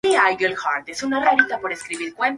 No cambiaba automáticamente la densidad.